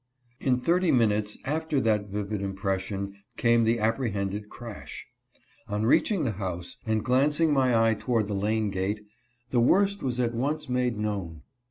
In thirty minutes after that vivid impression came the apprehended crash. On reaching the house, and glancing my eye toward the lane gate, the worst was at once made known.